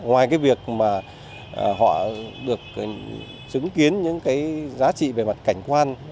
ngoài cái việc mà họ được chứng kiến những cái giá trị về mặt cảnh quan